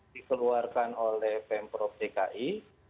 dikeluarkan oleh pemprov dki